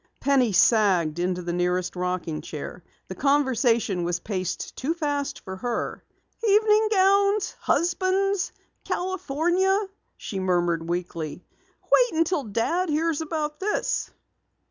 Penny sagged into the nearest rocking chair. The conversation was paced too fast for her. "Evening gowns husbands California," she murmured weakly. "Wait until Dad hears about this."